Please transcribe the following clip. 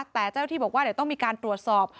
แต่เจ้าหน้าที่บอกว่าเดี๋ยวต้องมีการตรวจสอบ